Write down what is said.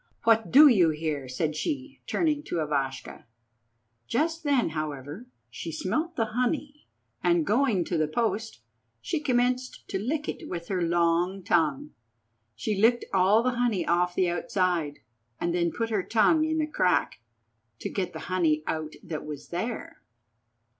What do you here?" said she, turning to Ivashka. Just then, however, she smelt the honey, and, going to the post, she commenced to lick it with her long tongue. She licked all the honey off the outside, and then put her tongue in the crack, to get the honey out that was there.